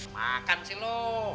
makan sih lo